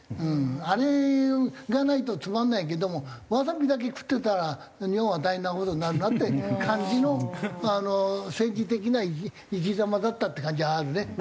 あれがないとつまんないけどもわさびだけ食ってたら日本は大変な事になるなって感じの政治的な生き様だったって感じはあるね。